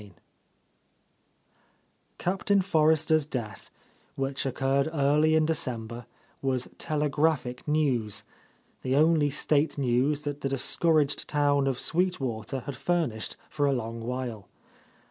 Yl C APTAIN FORRESTER'S death, which occurred early in December, was "tele graphic news," the only State news that the discouraged town of Sweet Water had fur nished for a long while.